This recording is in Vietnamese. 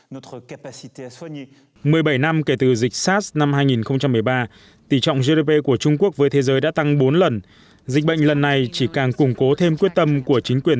một mươi bảy năm kể từ dịch sars năm hai nghìn một mươi ba tỷ trọng gdp của trung quốc với thế giới đã tăng bốn lần dịch bệnh lần này chỉ càng củng cố thêm quyết tâm của chính quyền